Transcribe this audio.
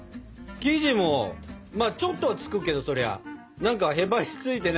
生地もちょっとはつくけどそりゃ何かへばりついてないし。